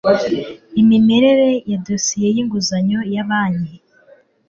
imimerere y amadosiye y inguzanyo ya banki